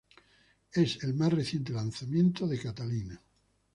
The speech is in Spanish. Es el más reciente lanzamiento de Catalina.